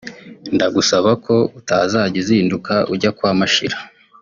ndagusaba ko utazajya uzinduka ujya kwa Mashira